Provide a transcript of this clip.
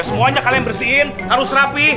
semuanya kalian bersihin harus rapi